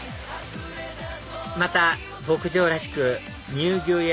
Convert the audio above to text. また牧場らしく乳牛や